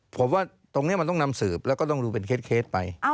ผมว่าตรงนี้มันต้องนำสืบแล้วก็ต้องดูเป็นเคสไป